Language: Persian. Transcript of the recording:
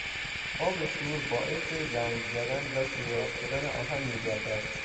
آب شور باعث زنگ زدن و سوراخ شدن آهن میگردد.